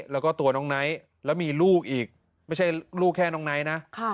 แล้วก็ตัวน้องไนท์แล้วมีลูกอีกไม่ใช่ลูกแค่น้องไนท์นะ